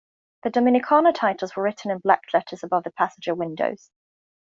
The "Dominicana" titles were written in black letters above the passenger windows.